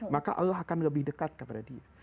maka allah akan lebih dekat kepada dia